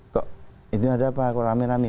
kok itu ada pak kurang rame rame